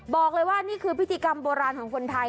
บอกเลยว่านี่คือพิธีกรรมโบราณของคนไทย